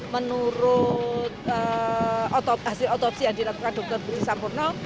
menurut hasil otopsi yang dilakukan dr budi sampurno